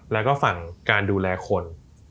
แล้วก็ฝั่งการดูแลคน